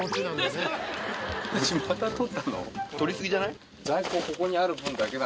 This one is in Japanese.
取りすぎじゃない？